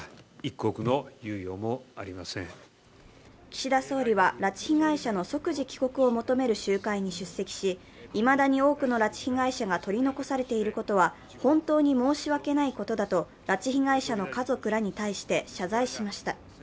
岸だ総理は、拉致被害者の即時帰国を求める集会に出席し、いまだに多くの拉致被害者が取り残されていることは本当に申し訳ないことだと拉致被害者の家族らに対して謝罪しました。